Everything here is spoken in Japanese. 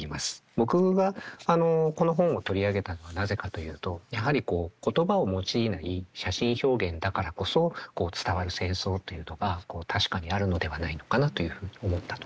僕がこの本を取り上げたのはなぜかというとやはりこう言葉を用いない写真表現だからこそ伝わる戦争というのが確かにあるのではないのかなというふうに思ったところ。